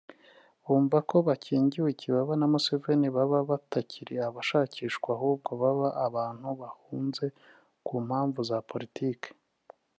bumva ko bakingiwe ikibaba na Museveni baba batakiri abashakishwa ahubwo baba abantu bahunze ku mpamvu za politiki